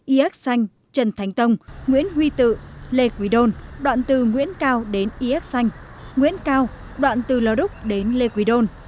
yx xanh trần thánh tông nguyễn huy tự lê quỳ đôn đoạn từ nguyễn cao đến yx xanh nguyễn cao đoạn từ lò đúc đến lê quỳ đôn